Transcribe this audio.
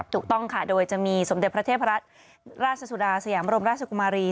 ถูกต้องค่ะโดยจะมีสมเด็จพระเทพรัฐราชสุดาสยามรมราชกุมารี